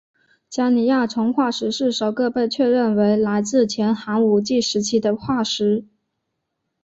加尼亚虫化石是首个被确认为来自前寒武纪时期的化石。